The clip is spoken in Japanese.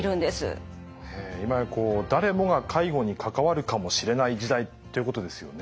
今や誰もが介護に関わるかもしれない時代っていうことですよね。